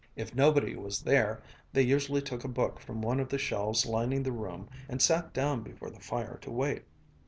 If nobody was there, they usually took a book from one of the shelves lining the room and sat down before the fire to wait.